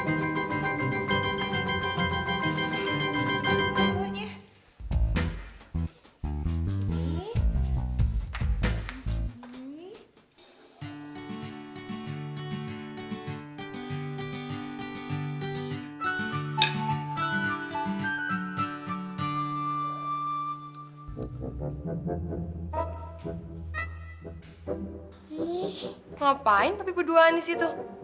ngapain tapi berdua anis itu